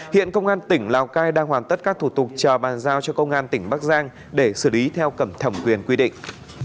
hiện công an tỉnh lào cai đang hoàn tất các thủ tục chờ bàn giao cho công an tỉnh bắc giang để xử lý theo thẩm quyền quy định